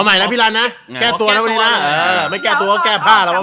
ใครเป็นลายวันนี้